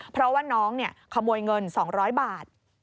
เพราะว่าน้องขโมยเงิน๒๐๐บาท